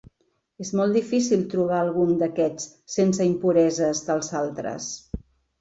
És molt difícil trobar algun d’aquests sense impureses dels altres.